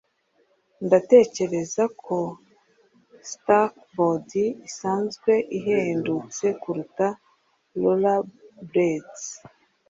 Ndatekereza ko skateboards isanzwe ihendutse kuruta rollerblades